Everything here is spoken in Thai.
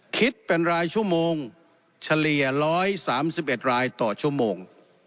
คิดเป็นรายชั่วโมงเฉลี่ย๑๓๑รายต่อชั่วโมง